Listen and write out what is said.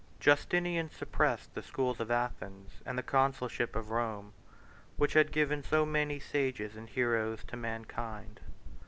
Justinian suppressed the schools of Athens and the consulship of Rome, which had given so many sages and heroes to mankind.